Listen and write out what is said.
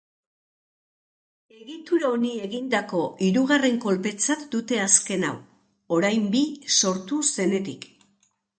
Egitura honi egindako hirugarren kolpetzat dute azken hau, orain bi sortu zenetik.